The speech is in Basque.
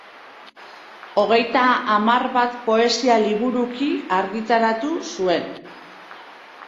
Hogeita hamar bat poesia-liburuki argitaratu zuen.